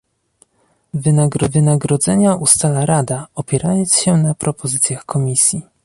Wynagrodzenia ustala Rada, opierając się na propozycjach Komisji